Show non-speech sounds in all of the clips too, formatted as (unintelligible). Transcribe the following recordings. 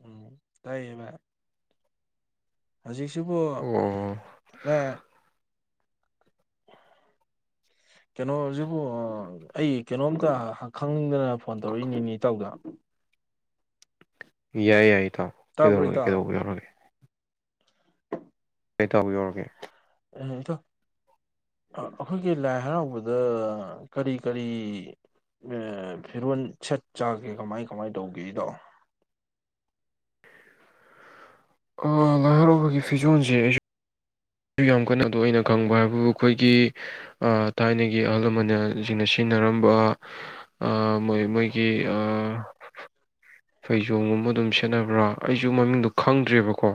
ꯎꯝ ꯇꯥꯏꯌꯦꯕ ꯍꯧꯖꯤꯛꯁꯤꯕꯨ ꯑꯣ ꯃ (inaudible) ꯀꯩꯅꯣꯁꯤꯕꯨ ꯑꯩ ꯀꯩꯅꯣꯝꯇ ꯈꯪꯅꯤꯡꯗꯅ ꯐꯣꯟ ꯇꯧꯔꯛꯏꯅꯤꯅꯤ ꯏꯇꯥꯎꯗ ꯌꯥꯏ ꯌꯥꯏꯌꯦ ꯇꯥꯎ ꯇꯥꯕ꯭ꯔꯣ ꯀꯩꯗꯧꯔꯒꯦ ꯏꯇꯥꯎ ꯀꯩꯗꯧꯕ ꯌꯥꯎꯔꯒꯦ ꯀꯩ ꯇꯥꯎ ꯌꯧꯔꯒꯦ ꯎ ꯊꯣ ꯑꯩꯈꯣꯏꯒꯤ ꯂꯥꯏ ꯍꯔꯥꯎꯕꯗ ꯀꯔꯤ ꯀꯔꯤ ꯐꯤꯔꯣꯜ ꯁꯦꯠ ꯆꯥꯒꯦ ꯀꯃꯥꯏ ꯀꯃꯥꯏ ꯇꯧꯒꯦ ꯑꯩꯗꯣ ꯂꯥꯏꯍꯔꯥꯎꯕꯒꯤ ꯐꯤꯖꯣꯜꯁꯦ ꯑꯗꯨ ꯌꯥꯝ ꯀꯟꯅꯗꯣ ꯑꯩꯅ ꯈꯪꯕ ꯍꯥꯏꯕꯨ ꯑꯩꯈꯣꯏꯒꯤ ꯊꯥꯏꯅꯒꯤ ꯑꯍꯜ ꯂꯃꯟꯅꯁꯤꯡꯅ ꯁꯤꯖꯤꯟꯅꯔꯝꯕ ꯑ ꯃꯣꯏ ꯃꯣꯏꯒꯤ ꯑ ꯐꯩꯖꯣꯝꯒꯨꯝꯕ ꯑꯗꯨꯝ ꯁꯦꯠꯅꯕ꯭ꯔꯥ ꯑꯩꯁꯨ ꯃꯃꯤꯡꯗꯣ ꯈꯪꯗ꯭ꯔꯦꯕꯀꯣ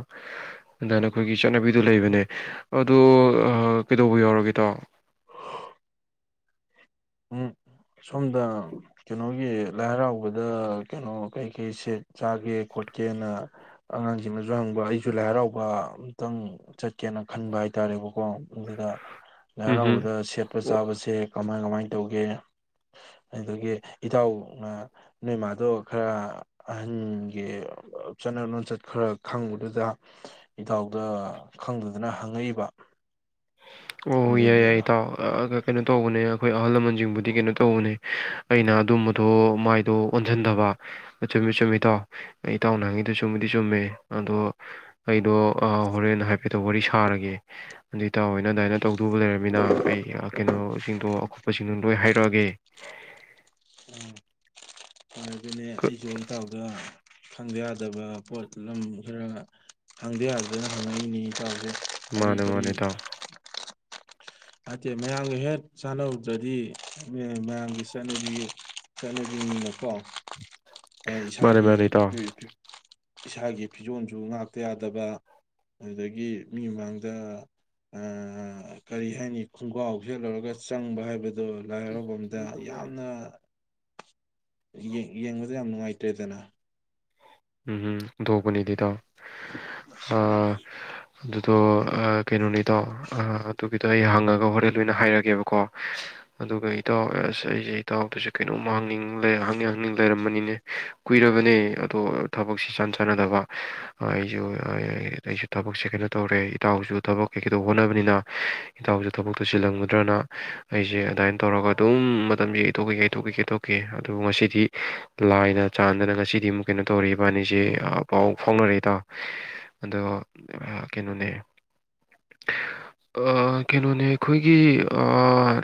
ꯑꯟꯗꯥꯅ ꯑꯩꯈꯣꯏꯒꯤ ꯆꯠꯅꯕꯤꯗꯣ ꯂꯩꯕꯅꯦ ꯑꯗꯣ ꯀꯩꯗꯧꯕ ꯌꯥꯎꯔꯒꯦ ꯇꯣ ꯎꯝ (inaudible) ꯁꯣꯝꯗ ꯀꯩꯅꯣꯒꯤ ꯂꯥꯏ ꯍꯔꯥꯎꯕꯗ ꯀꯩꯅꯣ ꯀꯩ ꯀꯩ ꯁꯦꯠ ꯆꯥꯒꯦ ꯈꯣꯠꯀꯦꯅ ꯑꯉꯥꯡꯁꯤꯡꯅꯁꯨ ꯍꯪꯕ ꯑꯩꯁꯨ ꯂꯥꯏ ꯍꯔꯥꯎꯕ ꯑꯝꯇꯪ ꯆꯠꯀꯦꯅ ꯈꯟꯕ ꯍꯥꯏꯇꯥꯔꯦꯕꯀꯣ ꯑꯗꯨꯗ ꯂꯥꯏ ꯎꯝ ꯍꯝ ꯍꯔꯥꯎꯕꯗ ꯁꯦꯠꯄ ꯆꯥꯕꯁꯦ ꯀꯃꯥꯏ ꯀꯃꯥꯏ ꯇꯧꯒꯦ ꯑꯗꯨꯗꯒꯤ ꯏꯇꯥꯎꯅ ꯅꯣꯏꯃꯥꯗꯣ ꯈꯔ ꯑꯍꯟꯒꯤ ꯆꯠꯅ ꯂꯣꯟꯆꯠ ꯈꯔ ꯈꯪꯕꯗꯨꯗ ꯏꯇꯥꯎꯗ ꯈꯪꯗꯗꯅ ꯍꯪꯉꯛꯏꯕ ꯑꯣ ꯌꯥꯏ ꯌꯥꯏ ꯑꯗꯨꯅꯤꯗ ꯏꯇꯥꯎ ꯀꯩꯅꯣ ꯇꯧꯕꯅꯦ ꯑꯩꯈꯣꯏ ꯑꯍꯜ ꯂꯃꯟꯁꯤꯡꯕꯨꯗꯤ ꯀꯩꯅꯣ ꯇꯧꯕꯅꯦ ꯑꯩꯅ ꯑꯗꯨꯝꯕꯗꯣ ꯃꯥꯏ ꯑꯗꯣ ꯑꯣꯟꯁꯤꯟꯗꯕ ꯑ ꯆꯨꯝꯃꯤ ꯆꯨꯝꯃꯤ ꯏꯇꯥꯎ ꯏꯇꯥꯎꯅ ꯍꯪꯉꯛꯏꯗꯣ ꯆꯨꯝꯕꯨꯗꯤ ꯆꯨꯝꯃꯦ ꯑꯗꯣ ꯑꯩꯗꯣ ꯍꯣꯔꯦꯟ ꯍꯥꯏꯐꯦꯠꯇꯣ ꯋꯥꯔꯤ ꯁꯥꯔꯒꯦ ꯑꯗꯨ ꯏꯇꯥꯎ ꯅꯪꯅ ꯑꯗꯨꯃꯥꯏꯅ ꯇꯧꯗꯧꯕ ꯂꯩꯔꯕꯃꯤꯅ ꯑꯩ ꯀꯩꯅꯣꯁꯤꯡꯗꯣ ꯑꯀꯨꯠꯄꯁꯤꯡꯗꯣ ꯂꯣꯏ ꯍꯥꯏꯔꯛꯑꯒꯦ ꯎꯝ ꯑꯗꯨꯅꯦ ꯀ ꯑꯩꯁꯨ ꯏꯇꯥꯎꯗ ꯈꯪꯗ ꯌꯥꯗꯕ ꯄꯣꯠꯂꯝ ꯈꯔ ꯍꯪꯗ ꯌꯥꯗꯗꯅ ꯍꯪꯉꯛꯏꯅꯤꯥꯅꯦ ꯢꯇꯥꯎꯗ ꯃꯥꯅꯦ ꯃꯥꯅꯦ ꯢꯇꯥꯎ ꯅꯠꯇꯦ ꯃꯌꯥꯝꯒ ꯍꯦꯛ ꯆꯥꯟꯅꯧꯗ꯭ꯔꯗꯤ ꯃꯌꯥꯝꯒꯤ ꯆꯠꯅꯕꯤ ꯆꯠꯂꯕꯤꯅꯤꯅ ꯀꯣ ꯑꯩ ꯃꯥꯅꯦ ꯏꯁꯥꯒꯤ ꯃꯥꯅꯦ ꯏꯇꯥꯎ ꯏꯁꯥꯒꯤ ꯐꯤꯖꯣꯜꯁꯨ ꯉꯥꯛꯇ ꯌꯥꯗꯕ ꯑꯗꯨꯗꯒꯤ ꯃꯤ ꯃꯃꯥꯡꯗ ꯀꯔꯤ ꯍꯥꯏꯅꯤ ꯈꯣꯡꯒꯥꯎ ꯁꯦꯠꯂꯨꯔꯒ ꯆꯪꯕ ꯍꯥꯏꯕꯗꯣ ꯂꯥꯏ ꯍꯔꯥꯎꯕꯝꯗ ꯌꯥꯝꯅ ꯌꯦꯡꯕꯗ ꯌꯥꯝ ꯅꯨꯉꯥꯏꯇ꯭ꯔꯦꯗꯅ ꯎꯝ ꯑꯣꯟꯊꯣꯛꯄꯅꯤꯗ ꯏꯇꯥꯎ (unintelligible) ꯑꯥ ꯑꯗꯨꯗꯣ ꯀꯩꯅꯣꯅꯦ ꯢꯇꯥꯎ ꯑꯗꯨꯒꯤꯗꯣ ꯑꯩ ꯍꯪꯉꯒ ꯍꯣꯔꯦꯟ ꯑꯣꯏꯅ ꯍꯥꯏꯔꯒꯦꯕꯀꯣ ꯑꯗꯨꯒ ꯏꯇꯥꯎ ꯑꯁ ꯑꯩꯁꯦ ꯏꯇꯥꯎꯗꯁꯨ ꯀꯩꯅꯣꯝꯃ ꯍꯅꯤꯡ ꯍꯥꯡꯅꯤꯡ ꯂꯩꯔꯝꯕꯅꯤꯅꯦ ꯀꯨꯏꯔꯕꯅꯦ ꯑꯗꯣ ꯊꯕꯛꯁꯤ ꯆꯥꯟ ꯆꯥꯟꯅꯗꯕ ꯑꯩꯁꯨ ꯑꯩꯁꯨ ꯊꯕꯛꯁꯦ ꯀꯩꯅꯣ ꯇꯧꯔꯦ ꯏꯇꯥꯎꯁꯨ ꯊꯕꯛ ꯀꯩ ꯀꯩꯗꯧꯕ ꯍꯣꯠꯅꯕꯅꯤꯅ ꯏꯇꯥꯎꯁꯨ ꯊꯕꯛꯇꯨ ꯆꯜꯂꯝꯒꯗ꯭ꯔꯅ ꯑꯩꯁꯦ ꯑꯗꯨꯃꯥꯢꯅ ꯇꯧꯔꯒ ꯑꯗꯨꯝ ꯃꯇꯝꯁꯦ ꯌꯩꯊꯣꯑ ꯌꯩꯊꯣꯛꯑ ꯌꯩꯊꯣꯛꯑ ꯑꯣ ꯑꯗꯨ ꯉꯁꯤꯗꯤ ꯂꯥꯏꯅ ꯆꯥꯟꯗꯅ ꯉꯁꯤꯗꯤ ꯑꯃꯨꯛ ꯀꯩꯅꯣ ꯇꯧꯔꯦ ꯏꯕꯥꯅꯤꯁꯦ ꯄꯥꯎ ꯐꯥꯎꯅꯔꯦ ꯢꯇꯥꯎ ꯑꯗꯣ ꯀꯩꯅꯣꯅꯦ ꯑ ꯀꯩꯅꯣꯅꯦ ꯑꯩꯈꯣꯏꯒꯤ ꯑ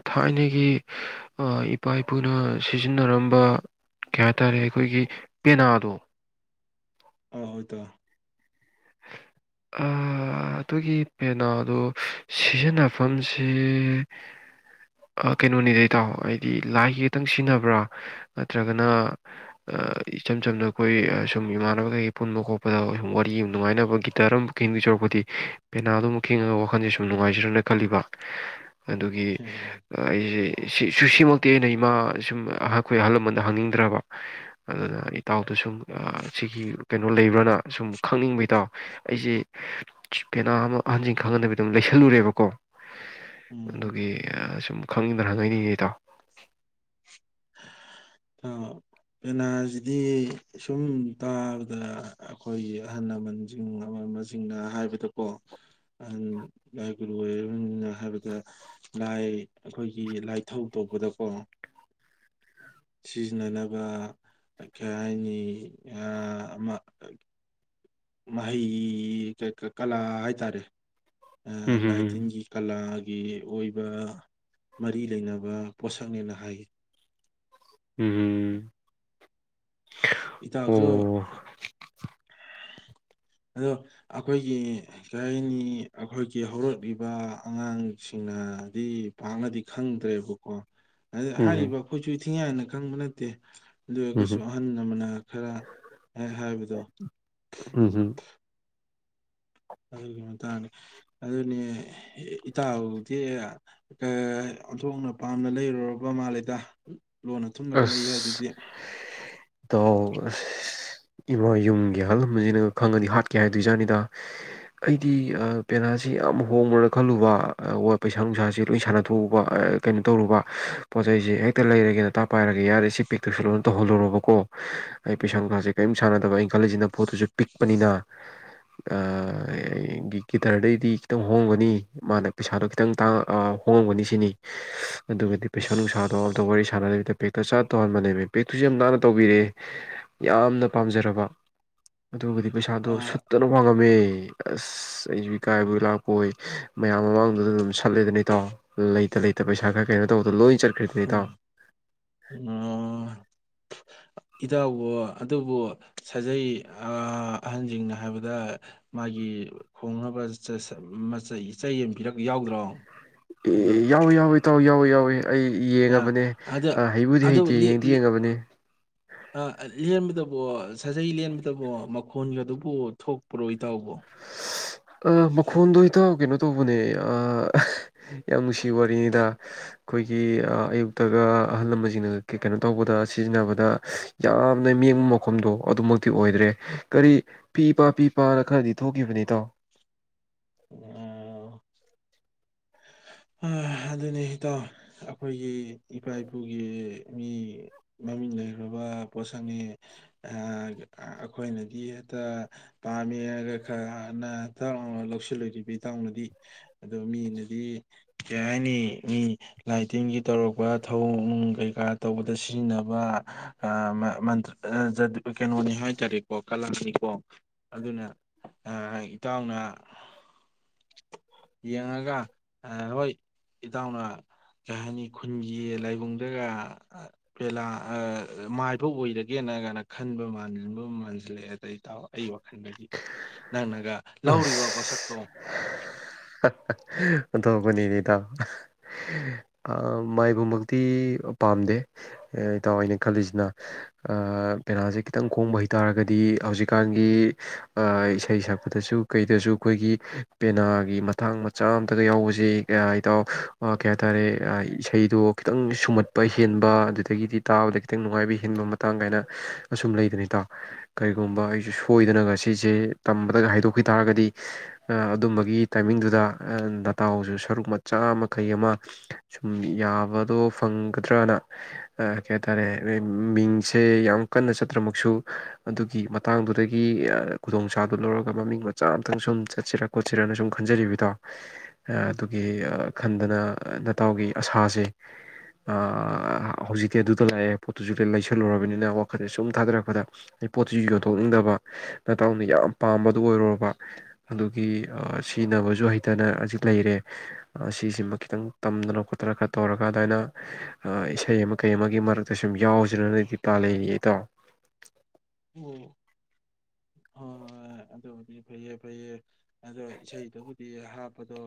ꯊꯥꯏꯅꯒꯤ ꯏꯄꯥ ꯏꯄꯨꯅ ꯁꯤꯖꯤꯟꯅꯔꯝꯕ ꯀꯩ ꯍꯥꯏꯇꯥꯔꯦ ꯑꯩꯈꯣꯏꯒꯤ ꯄꯦꯅꯥꯗꯣ ꯑ ꯍꯣꯏ ꯢꯇꯥꯎ ꯑꯥ ꯑꯗꯨꯒꯤ ꯄꯦꯅꯥꯗꯣ ꯁꯤꯖꯤꯟꯅꯐꯝꯁꯦ ꯀꯩꯅꯣꯅꯦ ꯏꯇꯥꯎ ꯍꯥꯏꯗꯤ ꯂꯥꯏꯒꯤ ꯈꯛꯇꯪ ꯁꯤꯖꯤꯟꯅꯕ꯭ꯔꯥ ꯅꯠꯇ꯭ꯔꯒꯅ ꯏꯆꯝ ꯆꯝꯅ ꯑꯩꯈꯣꯏ ꯁꯨꯝ ꯏꯃꯥꯟꯅꯕ ꯈꯩꯒ ꯄꯨꯟꯕ ꯈꯣꯠꯄꯗ ꯁꯨꯝ ꯋꯥꯔꯤ ꯌꯦꯡꯕ ꯅꯨꯡꯉꯥꯏꯅꯕ ꯒꯤꯇꯔ ꯑꯃ ꯈꯤꯡꯗꯧ ꯁꯔꯨꯛꯄꯨꯗꯤ ꯄꯦꯅꯥꯗꯣ ꯑꯃꯨꯛ ꯈꯤꯡꯉꯥꯒ ꯋꯥꯈꯟꯁꯦ ꯁꯨꯝ ꯅꯨꯡꯉꯥꯏꯖꯤꯔꯅ ꯈꯜꯂꯤꯕ ꯑꯗꯨꯒꯤ ꯑꯩꯁꯦ ꯁꯤ ꯁꯤꯃꯛꯇꯤ ꯑꯩꯅ ꯏꯃꯥ ꯁꯨꯝ ꯑꯩꯈꯣꯏ ꯑꯍꯜ ꯂꯃꯟꯗ ꯍꯪꯅꯤꯡꯗ꯭ꯔꯕ ꯑꯗꯨꯅ ꯏꯇꯥꯎꯗ ꯁꯨꯝ ꯁꯤꯒꯤ ꯀꯩꯅꯣ ꯂꯩꯕ꯭ꯔꯅ ꯁꯨꯝ ꯈꯪꯅꯤꯡꯕꯩ ꯏꯇꯥꯎ ꯑꯩꯁꯦ ꯄꯦꯅꯥ ꯑꯃ ꯑꯍꯟꯁꯤꯡ ꯈꯪꯍꯟꯗꯕꯤꯗ ꯑꯗꯨꯝ ꯂꯩꯁꯜꯂꯨꯔꯦꯕꯀꯣ ꯎꯝ ꯑꯗꯨꯒꯤ ꯁꯨꯝ ꯈꯪꯅꯤꯡꯗꯅ ꯍꯪꯉꯛꯏꯅꯦ ꯅꯇꯥꯎ ꯑ ꯄꯦꯅꯥꯁꯤꯗꯤ ꯁꯨꯝ ꯇꯥꯕꯗ ꯑꯩꯈꯣꯏꯒꯤ ꯑꯍꯜ ꯂꯃꯟ ꯎꯝ ꯑꯃ ꯑꯃꯁꯤꯡꯅ ꯍꯥꯏꯕꯗꯀꯣ ꯑꯍꯟ ꯂꯥꯏ ꯒꯨꯔꯨ ꯑꯣꯢꯔꯤꯕ ꯁꯤꯡꯅ ꯍꯥꯏꯕꯗ ꯂꯥꯏ ꯑꯩꯈꯣꯏꯒꯤ ꯂꯥꯏꯊꯧ ꯇꯧꯕꯗꯀꯣ ꯁꯤꯖꯤꯟꯅꯅꯕ ꯀꯩ ꯍꯥꯏꯅꯤ ꯑꯃ ꯃꯍꯩ ꯀꯂꯥ ꯍꯥꯏꯇꯥꯔꯦ ꯂꯥꯏ ꯎꯝ ꯇꯤꯟꯒꯤ ꯀꯂꯥꯒꯤ ꯑꯣꯏꯕ ꯃꯔꯤ ꯂꯩꯅꯕ ꯄꯣꯠꯁꯛꯅꯦꯅ ꯍꯥꯏꯌꯦ ꯎꯝ ꯎꯝ ꯏꯇꯥꯎꯁꯨ ꯑꯣ (unintelligible) ꯑꯗꯣ ꯑꯩꯈꯣꯏꯒꯤ ꯀꯩꯍꯥꯏꯅꯤ ꯑꯩꯈꯣꯏꯒꯤ ꯍꯧꯔꯛꯂꯤꯕ ꯑꯉꯥꯡꯁꯤꯡꯅꯗꯤ ꯄꯥꯛꯅꯗꯤ ꯈꯪꯗ꯭ꯔꯦꯕ ꯀꯣ ꯎꯝ ꯍꯥꯏꯔꯤꯕ ꯑꯩꯈꯣꯏꯁꯨ ꯏ ꯊꯤꯡꯉꯥꯏꯅ ꯈꯪꯕ ꯅꯠꯇꯦ ꯑꯗꯨ ꯑꯣꯢꯔꯒꯁꯨ ꯎꯝ ꯑꯍꯜ ꯂꯃꯅ ꯈꯔ ꯍꯥꯏꯕꯗꯣ ꯎꯝ ꯍꯝ ꯑꯗꯨꯒꯤ ꯃꯇꯥꯡꯅꯦ ꯑꯗꯨꯅꯦ ꯏꯇꯥꯎꯗꯤ ꯑꯣꯟꯊꯣꯛꯅ ꯄꯥꯝꯅ ꯂꯩꯔꯨꯔꯕ ꯃꯥꯜꯂꯦꯗ ꯂꯣꯟꯅ ꯊꯨꯝꯂꯒ ꯂꯩ ꯍꯥꯏꯗꯨꯗꯤ ꯥꯎ ꯑꯁ ꯏꯃꯥ ꯌꯨꯝꯒꯤꯦ ꯑꯍꯜꯕꯁꯤꯅ ꯈꯪꯉꯗꯤ ꯍꯥꯠꯀꯦ ꯍꯥꯏꯗꯣꯏꯖꯥꯠꯅꯤꯗ ꯑꯩꯗꯤ ꯄꯦꯅꯥꯁꯤ ꯌꯥꯝ ꯍꯣꯡꯉꯨꯔꯅ ꯈꯜꯂꯨꯕ ꯄꯩꯁꯥ ꯅꯨꯡꯁꯥꯁꯤ ꯂꯣꯏ ꯁꯥꯟꯅꯊꯣꯛꯎꯕ ꯀꯩꯅꯣ ꯇꯧꯔꯨꯕ ꯄꯣꯠ ꯆꯩꯩꯁꯤ ꯍꯦꯛꯇ ꯂꯩꯔꯒꯦꯅ ꯇꯥꯛ ꯄꯥꯏꯔꯒ ꯌꯥꯔꯦ ꯁꯤ ꯄꯦꯛꯇꯁꯨ ꯂꯣꯏꯅ ꯇꯧꯍꯜꯂꯨꯔꯕꯀꯣ ꯑꯩ ꯄꯩꯁꯥ ꯥꯁꯦ ꯀꯔꯤꯝ ꯁꯥꯟꯅꯗꯕ ꯑꯩ ꯀꯂꯁꯤꯅ ꯄꯣꯠꯇꯨꯁꯨ ꯄꯤꯛꯄꯅꯤꯅ ꯒꯤꯇꯔꯗꯩꯗꯤ ꯈꯤꯇꯪ ꯍꯣꯡꯒꯅꯤ ꯃꯥꯅ ꯄꯩꯁꯥꯗꯣ ꯈꯤꯇꯪꯥꯡ ꯍꯣꯡꯉꯝꯒꯅꯤ ꯁꯤꯅꯤ ꯑꯗꯨꯒꯗꯤ ꯄꯩꯁꯥ ꯅꯨꯡꯁꯥꯗꯧ ꯑꯝꯇ ꯑꯁ ꯋꯥꯔꯤ ꯁꯥꯟꯅꯗꯕꯤꯗ ꯦꯛꯇ ꯆꯥ ꯇꯧꯍꯟꯕꯅꯦꯕ ꯄꯦꯛꯇꯨꯁꯨ ꯌꯥꯝ ꯅꯥꯟꯅ ꯇꯧꯕꯤꯔꯛꯑꯦ ꯌꯥꯝꯅ ꯄꯥꯝꯖꯔꯕ ꯑꯗꯨꯒꯕꯨꯗꯤ ꯄꯩꯁꯥꯗꯣ ꯑ, ꯁꯨꯠꯇꯅ ꯋꯥꯡꯉꯝꯃꯦ ꯑꯁ ꯑꯁ ꯑꯩꯁꯨ ꯏꯀꯥꯏꯕꯒꯤ ꯂꯥꯛꯄꯣꯏ ꯃꯌꯥꯝ ꯃꯃꯥꯡꯗꯨꯗ ꯑꯗꯨꯝ ꯁꯠꯂꯤꯦꯗꯅ ꯏꯇꯥꯎ ꯂꯩ ꯍꯦꯇ ꯂꯩꯇ ꯄꯩꯁꯥ ꯈꯔ ꯀꯩꯅꯣ ꯇꯧꯕꯗꯣ ꯂꯣꯏ ꯆꯠꯈ꯭ꯔꯗꯅꯤꯇꯥꯎ ꯎꯝ (unintelligible) ꯏꯗꯥꯎꯕꯣ ꯑꯗꯨꯕꯨ ꯁꯥꯖꯩ ꯑꯍꯟꯁꯤꯡꯅ ꯍꯥꯏꯕꯗ ꯃꯥꯒꯤ ꯈꯣꯡꯅꯕꯆ ꯌꯦꯟꯕꯤꯤꯔꯛ ꯌꯥꯎꯗ꯭ꯔꯣ ꯑꯦ ꯑꯗꯣ ꯌꯥꯎꯋ ꯌꯥꯎꯋꯦ ꯇꯥꯎꯋ ꯌꯥꯎꯋꯦ ꯌꯥꯎꯋꯦ ꯑꯩ ꯑ, ꯌꯦꯡꯉꯕꯅꯦ ꯑꯗ ꯍꯩꯕꯨꯗꯤ ꯑꯗꯨ ꯍꯩꯇꯦ ꯂꯤ- ꯌꯦꯡꯗꯤ ꯂꯤ- ꯌꯦꯡꯉꯕꯅꯦ ꯑ ꯂꯦꯟꯕꯗꯕꯣ ꯁꯥꯖꯩ ꯂꯦꯟꯕꯗꯕꯣ ꯃꯈꯣꯟꯒ ꯑꯗꯨꯕꯨ ꯊꯣꯛꯄꯔꯣꯏ ꯇꯕꯣ ꯑ ꯃꯈꯣꯟꯗꯣ ꯍꯦꯛꯇ ꯀꯩꯅꯣ ꯇꯧꯕꯅꯦ ꯑ ꯌꯥꯝ ꯅꯨꯡꯁꯤ ꯋꯥꯔꯤꯉꯩꯗ ꯑꯩꯈꯣꯏꯒꯤ ꯑꯌꯨꯛꯇꯒ ꯑꯍꯜ ꯂꯃꯟꯁꯤꯡꯅ ꯀꯩꯅꯣ ꯇꯧꯕꯗ ꯁꯤꯖꯤꯟꯅꯕꯗ ꯌꯥꯝꯅ ꯌꯦꯡꯕ ꯃꯐꯝꯗꯣ ꯑꯗꯨꯃꯛꯇꯤ ꯑꯣꯏꯗ꯭ꯔꯦ ꯀꯔꯤ ꯐꯤ ꯄꯥ ꯐꯤ ꯄꯥꯅ ꯈꯔꯗꯤ ꯊꯣꯛꯈꯤꯕꯅꯤꯇꯣ ꯑꯣ ꯑ ꯑꯗꯨ ꯑꯗꯨꯅꯤꯍꯤꯇꯣ ꯑꯩꯈꯣꯏꯒꯤ ꯏꯄꯥ ꯏꯄꯨꯒꯤ ꯃꯤ ꯃꯃꯤꯡ ꯂꯩꯈꯨꯔꯕ ꯄꯣꯠꯁꯛꯅꯤ ꯑ ꯑꯩꯈꯣꯏꯅꯗꯤ ꯍꯦꯛꯇ ꯄꯥꯝꯃꯦꯔꯒ ꯈꯔ ꯍꯥꯟꯅ ꯊ ꯂꯧꯁꯤꯜꯂꯣꯏꯔꯤꯕ ꯏꯇꯥꯎꯅꯗꯤ ꯑꯣ ꯃꯤꯅꯗꯤ ꯀꯅꯤ ꯃꯤ ꯂꯥꯏ ꯇꯤꯟꯒꯤ ꯇꯧꯔꯛꯄ ꯊꯧꯑꯣꯅꯨꯡ ꯀꯩꯀꯥ ꯇꯧꯕꯗ ꯁꯤꯖꯤꯟꯅꯕ ꯀꯩꯅꯣꯅꯤ ꯍꯥꯏꯇꯥꯔꯦꯀꯣ ꯀꯂꯥꯡꯅꯤꯀꯣ ꯑꯗꯨꯅ ꯏꯇꯥꯎꯅ ꯌꯦꯡꯉꯒ ꯍꯣꯏ ꯏꯇꯥꯎꯅ ꯀꯩ ꯍꯥꯏꯅꯤ ꯈꯨꯟꯒꯤ ꯂꯥꯏꯕꯨꯡꯗꯒ ꯄꯦꯂꯥ ꯃꯥꯏꯕ ꯑꯣꯏꯔꯒꯦꯅ ꯀꯥꯏꯅ ꯈꯟꯕ ꯃꯥꯟꯕ ꯃꯥꯟꯁꯤꯜꯂꯛꯑꯦ ꯑꯗꯩ ꯇ ꯑꯩ ꯋꯥꯈꯜꯗꯗꯤ ꯅꯪꯅꯒ ꯂꯧꯔꯤꯕ ꯄꯣꯠꯁꯛꯇꯣ ꯊꯕꯨꯅꯤ ꯂꯤꯗ ꯃꯥꯏꯕꯃꯛꯇꯤ ꯄꯥꯝꯗꯦ ꯑꯦ ꯏꯇꯥꯎꯏꯅꯦ ꯈꯜꯂꯤꯁꯤꯅ ꯄꯦꯅꯥꯁꯦ ꯈꯤꯇꯪ ꯈꯣꯡꯕ ꯍꯩꯇꯥꯥꯔꯒꯗꯤ ꯍꯧꯖꯤꯛꯀꯥꯟꯒꯤ ꯏꯁꯩ ꯁꯛꯄꯗꯁꯨ ꯀꯩꯗꯁꯨ ꯑꯩꯈꯣꯏꯒꯤ ꯄꯦꯅꯥ ꯑꯩꯒꯤ ꯃꯇꯊꯥꯡ ꯃꯆꯥ ꯑꯃꯝꯇꯒ ꯌꯥꯎꯕꯁꯦ ꯏꯇꯥꯎ ꯀꯩ ꯍꯥꯏꯇꯥꯔꯦ ꯏꯁꯩꯗꯣ ꯈꯤꯇꯪ ꯁꯨꯝꯍꯠ ꯄ ꯍꯦꯟꯕ ꯑꯗꯨꯗꯒꯤꯗꯤ ꯇꯥꯕꯗ ꯈꯤꯇꯪ ꯅꯨꯡꯉꯥꯏꯕ ꯍꯦꯟꯕ ꯃꯇꯥꯡ ꯀꯥꯏꯅ ꯑꯁꯨꯝ ꯂꯩꯗꯅꯤꯇꯥꯎ ꯀꯔꯤꯒꯨꯝꯕ ꯑꯩꯁꯨ ꯁꯣꯏꯗꯅ ꯉ ꯁꯤꯁꯦ ꯇꯝꯕꯗꯒ ꯍꯥꯏꯗꯣꯛꯈꯤ ꯇꯥꯔꯒꯗꯤ ꯑꯗꯨꯝꯕꯒꯤ ꯇꯥꯏꯃꯤꯡꯗꯨꯗ ꯗꯇꯥꯁꯨ ꯁꯔꯨꯛ ꯃꯆꯥ ꯃꯈꯩ ꯑꯃ ꯁꯨꯝ ꯌꯥꯕꯗꯣ ꯐꯪꯒꯗ꯭ꯔꯅ ꯀꯩ ꯍꯥꯏꯇꯥꯔꯦ ꯃꯤꯡꯁꯦ ꯌꯥꯝ ꯀꯟꯅ ꯆꯠꯇ꯭ꯔꯃꯛꯁꯨ ꯑꯗꯨꯒꯤ ꯃꯇꯥꯡꯗꯨꯗꯒꯤ ꯈꯨꯗꯣꯡꯆꯥꯥꯗꯨ ꯂꯧꯔꯒ ꯃꯃꯤꯡ ꯃꯆꯥ ꯑꯃꯇꯪ ꯁꯨꯝ ꯆꯠꯁꯤꯔ ꯈꯣꯠꯁꯤꯔꯅ ꯁꯨꯝ ꯈ ꯈꯟꯖꯔꯤꯕꯗꯣ ꯑꯗꯨꯒꯤ ꯎꯝ ꯈꯟꯗꯅ ꯅꯇꯎꯒꯤ ꯑꯁꯥꯁꯦ ꯎꯝ ꯑ ꯍꯧꯖꯤꯛꯇꯛꯤ ꯑꯗꯨꯗ ꯂꯥꯛꯑꯦ ꯄꯣꯠꯇꯨꯁꯨ ꯂꯩꯁꯜꯂꯨꯔꯕꯅꯤꯅ ꯋꯥꯈꯜꯁꯦ ꯁꯨꯝ ꯊꯥꯗꯔꯛꯄꯗ ꯑꯩ ꯄꯣꯠꯁꯤꯁꯨ ꯌꯣꯟꯊꯣꯛꯅꯤꯡꯗꯕ ꯅꯇꯥꯎꯅ ꯌꯥꯝ ꯄꯥꯝꯕꯗꯨ ꯑꯣꯏꯔꯨꯔꯕ ꯑꯗꯨꯒꯤ ꯑ ꯁꯤꯖꯤꯟꯅꯕꯁꯨ ꯍꯩꯇꯅ ꯍꯖꯤꯛ ꯂꯩꯔꯦ꯫ ꯁꯤꯁꯤꯃ ꯈꯤꯇꯪ ꯇꯝꯗꯅ ꯈꯣꯠꯇꯅ ꯈꯔ ꯇꯧꯔꯒ ꯑꯗꯥꯏꯅ ꯑ ꯏꯁꯩ ꯑꯃ ꯀꯩ ꯑꯃꯒꯤ ꯃꯔꯛꯇ ꯁꯨꯝ ꯌꯥꯎꯖꯤꯔꯅ ꯗꯤꯄꯥ ꯂꯩꯔꯤꯌꯦ ꯏꯇꯥꯎ꯫ ꯑꯝ ꯍꯣꯍꯣꯏ ꯑꯗꯨꯗꯤ ꯐꯩꯌꯦ ꯐꯩꯌꯦ ꯑꯗꯣ ꯏꯁꯩꯗꯨꯕꯨꯗꯤ ꯍꯥꯞꯄꯗꯣ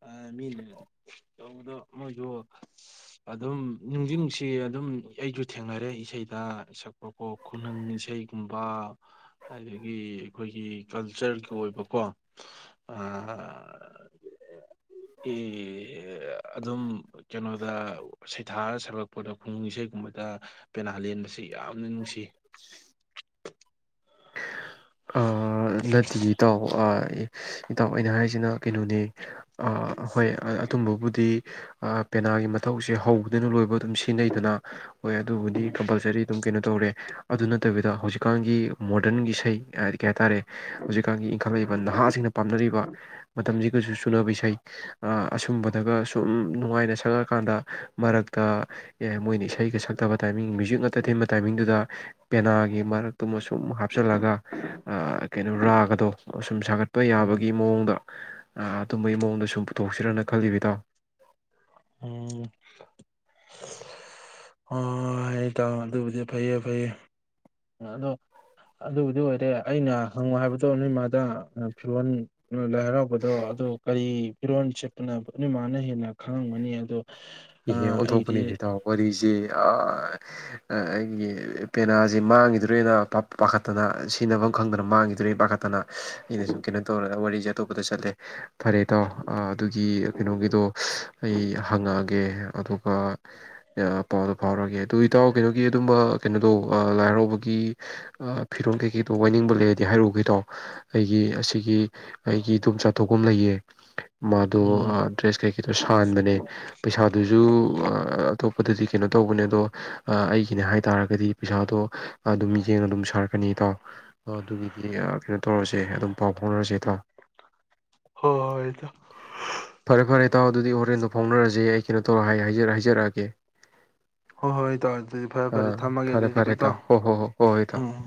ꯑ ꯃꯤꯅꯦ ꯇꯧꯕꯗ ꯃꯣꯏꯁꯨ ꯑꯗꯨꯝ ꯅꯨꯡꯗꯤ ꯅꯨꯡꯁꯤꯌꯦ ꯑꯗꯨꯝ ꯑꯩꯁꯨ ꯊꯦꯡꯅꯔꯦ ꯏꯁꯩꯗ ꯁꯛꯄꯀꯣ ꯈꯨꯅꯨꯡ ꯏꯁꯩ ꯨꯒꯨꯝꯕ ꯑꯗꯒꯤ ꯑꯩꯈꯣꯏꯒꯤ ꯀꯜꯆꯔꯒꯤ ꯑꯣꯏꯕꯀꯣ ꯑ ꯏ ꯑ ꯑꯗꯨꯝ ꯀꯩꯅꯣꯗ ꯁꯩꯊꯥꯔ ꯁꯧꯔꯛꯄꯗ ꯈꯨꯅꯨꯡ ꯏꯁꯩꯒꯨꯝꯕꯗ ꯄꯦꯅꯥ ꯂꯦꯟꯕꯁꯤ ꯌꯥꯝꯅ ꯅꯨꯡꯁꯤ꯫ (inaudible) ꯑ ꯅꯠꯇꯦ ꯏꯇꯥꯎ ꯑ ꯏꯇꯥꯎ ꯑꯩꯅ ꯍꯥꯏꯁꯤꯅ ꯀꯩꯅꯣꯅꯦ ꯑ ꯍꯣꯏ ꯑꯗꯨꯝꯕꯕꯨꯗꯤ ꯑ ꯄꯦꯅꯥꯒꯤ ꯃꯊꯧꯁꯦ ꯍꯧꯕꯗꯩꯅ ꯂꯣꯏꯕ ꯗꯨꯝ ꯁꯤꯟꯅꯩꯗꯅ ꯑꯣꯏ ꯑꯗꯨꯕꯨꯗꯤ ꯀꯝꯄꯜꯁꯔꯤ ꯑꯗꯨꯝ ꯀꯩꯅꯣ ꯇꯧꯔꯦ ꯑꯗꯨ ꯅꯠꯇꯕꯤꯗ ꯍꯧꯖꯤꯛꯀꯥꯟꯒꯤ ꯃꯣꯗꯔꯟꯒꯤ ꯏꯁꯩ ꯍꯥꯏꯗꯤ ꯀꯩ ꯍꯥꯏꯇꯥꯔꯦ ꯍꯧꯖꯤꯛꯀꯥꯟꯒꯤ ꯏꯪꯈꯠꯂꯛꯏꯕ ꯅꯍꯥꯁꯤꯡꯅ ꯄꯥꯝꯅꯔꯤꯕ ꯃꯇꯝꯁꯤ ꯀꯁꯨ ꯆꯨꯅꯕ ꯏꯁꯩ ꯑ ꯑꯁꯨꯝꯕꯗꯒ ꯁꯨꯝ ꯅꯨꯡꯉꯥꯏꯅ ꯁꯒꯑꯀꯥꯟꯗ ꯃꯔꯛꯇ ꯑꯦ ꯃꯣꯏꯅ ꯏꯁꯩꯒ ꯁꯛꯇꯕ ꯇꯥꯏꯃꯤꯡ ꯃ꯭ꯌꯨꯖꯤꯛ ꯉꯠꯇ ꯊꯤꯟꯕ ꯇꯥꯏꯃꯤꯡꯗꯨꯗ ꯄꯦꯅꯥꯒꯤ ꯃꯔꯛꯇꯨꯃꯁꯨ ꯁꯨꯝ ꯍꯥꯞꯆꯤꯜꯂꯒ ꯑ ꯀꯩꯅꯣ ꯔꯥꯒꯗꯣ ꯑꯁꯨꯝ ꯁꯥꯒꯠꯄ ꯎꯝ ꯌꯥꯕꯒꯤ ꯃꯑꯣꯡꯗ ꯑ ꯑꯗꯨꯝꯕꯩ ꯃꯑꯣꯡꯗ ꯁꯨꯝ ꯄꯨꯊꯣꯛꯁꯤꯔꯅ ꯈꯜꯂꯤꯕꯤ ꯏꯇꯥꯎ꯫ ꯎꯝ ꯑ ꯇꯥꯡ ꯑꯗꯨꯕꯨꯗꯤ ꯐꯩꯌꯦ ꯐꯩꯌꯦ ꯑꯗꯣ ꯑꯗꯨꯕꯨꯗꯤ ꯑꯣꯏꯔꯦ ꯑꯩꯅ ꯍꯪꯉꯣ ꯍꯥꯏꯕꯗꯣ ꯅꯣꯏꯃꯥꯗ ꯐꯤꯔꯣꯜ ꯂꯥꯏ ꯍꯔꯥꯎꯕꯗꯣ ꯑꯗꯣ ꯀꯔꯤ ꯐꯤꯔꯣꯜ ꯆꯦꯠꯄꯅꯣ ꯅꯣꯏꯃꯥꯅ ꯍꯦꯟꯅ ꯈꯪꯉꯝꯒꯅꯤ ꯑꯗꯣ ꯏꯍꯦ ꯑꯩꯒꯤꯗꯤ ꯑꯣꯟꯊꯣꯛꯄꯅꯦ ꯇꯥꯎ ꯋꯥꯔꯤꯁꯦ ꯑꯥ ꯑ ꯑꯩꯒꯤ ꯄꯦꯅꯥꯁꯦ ꯃꯥꯡꯈꯤꯗ꯭ꯔꯦꯅ ꯄꯥ ꯄꯥꯈꯠꯇꯅ ꯁꯤꯖꯤꯟꯅꯐꯝ ꯈꯪꯗꯅ ꯃꯥꯡꯈꯤꯗ꯭ꯔꯦ ꯄꯥꯈꯠ ꯇꯅ ꯑꯩꯅꯁꯨꯨꯝ ꯀꯩꯅꯣ ꯇꯧꯔ ꯋꯥꯔꯤꯁꯦ ꯑꯇꯣꯞꯄꯗ ꯆꯠꯂꯦ ꯐꯔꯦ ꯏꯇꯥꯎ ꯑ ꯑꯗꯨꯒꯤ ꯀꯩꯅꯣꯒꯤꯗꯣ ꯑꯩ ꯍꯪꯉꯛ ꯒꯦ ꯑꯗꯨꯒ ꯄꯥꯎꯗꯣ ꯐꯥꯎꯔꯒꯦ ꯑꯗꯨ ꯏꯇꯥꯎ ꯀꯩꯅꯣꯒꯤ ꯑꯗꯨꯝꯕ ꯀꯩꯅꯣꯗꯣ ꯂꯥꯏ ꯍꯔꯥꯎꯕꯒꯤ ꯑ ꯐꯤꯔꯣꯟ ꯀꯩꯀꯩꯗꯣ ꯋꯥꯏꯅꯤꯡꯕ ꯂꯩꯔꯗꯤ ꯍꯥꯏꯔꯧꯀꯣ ꯏꯇꯥꯎ꯫ ꯑꯩꯒꯤ ꯑꯁꯤꯒꯤ ꯑꯩꯒꯤ ꯗꯨꯝ ꯆꯥꯊꯣꯛꯐꯝ ꯂꯩꯌꯦ ꯃꯥꯗꯣ ꯎꯝ ꯗ꯭ꯔꯦꯁ ꯀꯩꯀꯩꯗꯣ ꯁꯥꯟꯕꯅꯦ꯫ ꯄꯩꯁꯥꯗꯨꯁꯨ ꯑ ꯑꯇꯣꯞꯄꯗꯗꯤ ꯀꯩꯅꯣ ꯇꯧꯕꯅꯦ ꯑꯗꯣ ꯑ ꯑꯩꯒꯤꯅꯦ ꯍꯥꯏꯇꯥꯥꯔꯒꯗꯤ ꯄꯩꯁꯥꯗꯣ ꯑꯗꯨꯝ ꯌꯦꯡꯉ ꯗꯨꯝ ꯁꯥꯔꯛꯀꯅꯤ ꯏꯇꯥꯎ꯫ ꯑꯗꯨꯒꯤꯗꯤ ꯀꯩꯅꯣ ꯇꯧꯔꯁꯦ ꯑꯗꯨꯝ ꯄꯥꯎ ꯐꯥꯎꯅꯔꯁꯦ ꯏꯇꯥꯎ ꯍꯣꯏꯗ ꯐꯔꯦ ꯐꯔꯦ ꯇꯥꯎ ꯑꯗꯨꯗꯤ ꯍꯔꯦꯟꯗ ꯐꯥꯎꯅꯔꯁꯤ꯫ ꯖꯤ ꯑꯩ ꯀꯩꯅꯣ ꯇꯧꯔ ꯍꯥꯏ ꯍꯥꯏꯖ ꯍꯥꯏꯖꯔꯛꯑꯒꯦ꯫ ꯍꯣꯏ ꯍꯣꯏ ꯏꯇꯥꯎ ꯑꯗꯨꯗꯤ ꯐꯔꯦ ꯑ ꯐꯔꯦ ꯊꯝꯃꯒꯦ ꯐꯔꯦ ꯑꯗꯨꯗꯤꯀꯣ ꯐꯔꯦ ꯏꯇꯥꯎ ꯇꯥꯎ ꯍꯣ ꯍꯣ ꯍꯣ ꯍꯣꯏ ꯎꯝ